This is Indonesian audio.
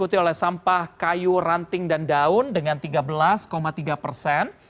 diikuti oleh sampah kayu ranting dan daun dengan tiga belas tiga persen